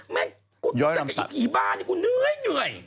แม่งกูจัดกับอีกกี่บ้านี่กูเหนื่อยเหนื่อย